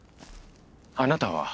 あなたは？